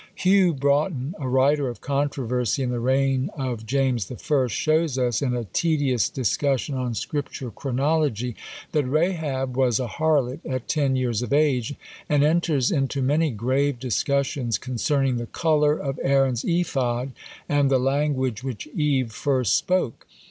Hugh Broughton, a writer of controversy in the reign of James the First, shows us, in a tedious discussion on Scripture chronology, that Rahab was a harlot at ten years of age; and enters into many grave discussions concerning the colour of Aaron's ephod, and the language which Eve first spoke.